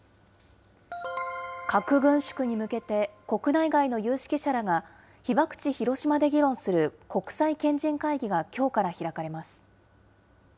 核軍縮に向けて、国内外の有識者らが、被爆地、広島で議論する国際賢人会議がきょうから開かれます。